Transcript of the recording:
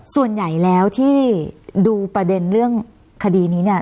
ส่วนใหญ่แล้วที่ดูประเด็นเรื่องคดีนี้เนี่ย